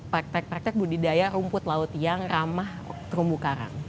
praktek praktek budidaya rumput laut yang ramah terumbu karang